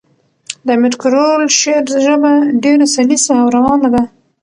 د امیر کروړ شعر ژبه ډېره سلیسه او روانه ده.